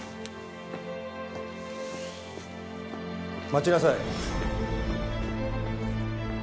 待ちなさい。